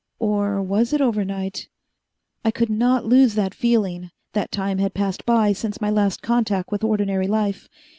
Or was it overnight? I could not lose that feeling that time had passed by since my last contact with ordinary life.